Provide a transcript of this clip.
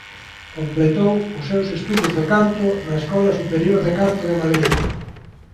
Completou os seus estudos de canto na Escola Superior de Canto de Madrid.